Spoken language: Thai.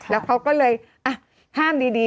แล้วเขาก็เลยห้ามดี